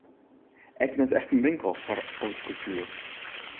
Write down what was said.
Ek net echt in winkel foar haute couture.